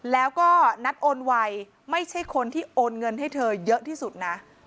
แล้วก็นัดโอนไวไม่ใช่คนที่โอนเงินให้เธอเยอะที่สุดนะ